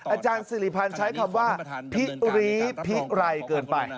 อาจารย์สิริพันธ์ใช้คำว่าพิรีพิไรเกินไป